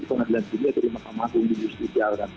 kalau tidak dia terima panggung di justisial